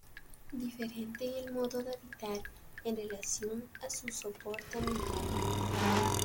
Diferente en el modo de habitar en relación a su soporte ambiental.